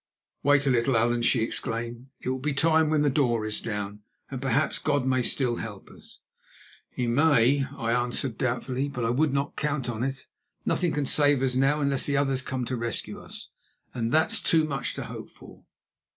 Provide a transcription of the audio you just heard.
"Wait a little, Allan," she exclaimed; "it will be time when the door is down, and perhaps God may still help us." "He may," I answered doubtfully; "but I would not count on it. Nothing can save us now unless the others come to rescue us, and that's too much to hope for."